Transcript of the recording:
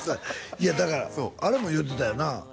いやだからあれも言うてたよな